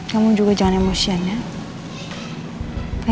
kamu juga jangan emosian ya